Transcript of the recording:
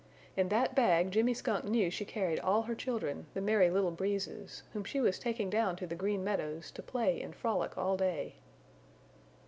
In that bag Jimmy Skunk knew she carried all her children, the Merry Little Breezes, whom she was taking down to the Green Meadows to play and frolic all day.